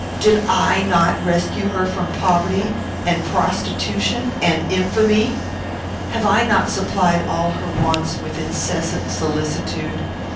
"Did I not rescue her from poverty, and prostitution, and infamy? Have I not supplied all her wants with incessant solicitude?